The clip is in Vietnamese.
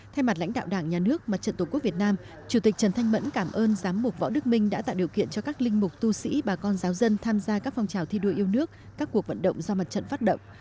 thay mặt lãnh đạo đảng nhà nước mặt trận tổ quốc việt nam chủ tịch trần thanh mẫn cảm ơn giám mục võ đức minh đã tạo điều kiện cho các linh mục tu sĩ bà con giáo dân tham gia các phong trào thi đua yêu nước các cuộc vận động do mặt trận phát động